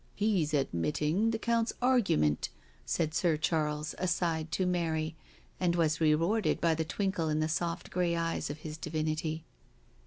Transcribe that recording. " He's admitting the Count's argument," said Sir Charles, aside, to Mary, and was rewarded by the twinkle in the soft grey eyes of his divinity.